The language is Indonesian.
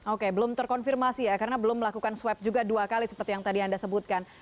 oke belum terkonfirmasi ya karena belum melakukan swab juga dua kali seperti yang tadi anda sebutkan